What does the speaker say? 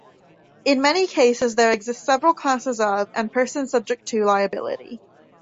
In many cases there exist several classes of, and persons subject to, liability.